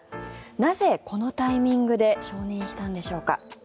なぜ、このタイミングで承認したんでしょうか。